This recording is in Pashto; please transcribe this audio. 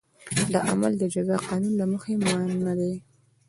دا عمل د جزا قانون له مخې منع دی.